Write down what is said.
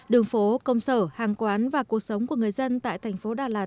đường phố công sở hàng quán và cuộc sống của người dân tại thành phố đà lạt